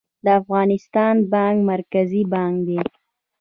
د افغانستان بانک مرکزي بانک دی